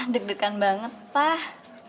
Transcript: deg degan banget pak